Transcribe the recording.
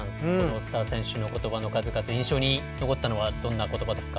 スター選手の言葉の数々印象に残ったのはどんな言葉ですか。